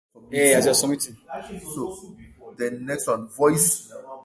The Clarendon Weir is located in the town area on the Onkaparinga River.